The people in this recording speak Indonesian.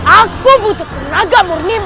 aku butuh tenaga murnimu